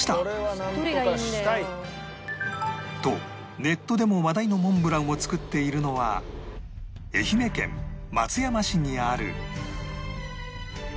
とネットでも話題のモンブランを作っているのは愛媛県松山市にある